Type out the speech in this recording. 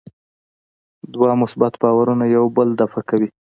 دوه مثبت بارونه یو بل دفع کوي.